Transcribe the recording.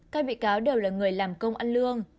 các bị cáo đều là người làm công ăn lương